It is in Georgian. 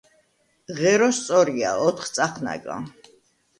ღერო სწორია, ოთხწახნაგა.